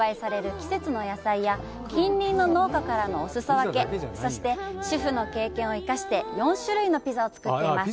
季節の野菜や近隣の農家からのお裾分けそして、主婦の経験を生かして４種類のピザを作っています。